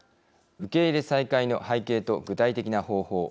受け入れ再開の背景と具体的な方法。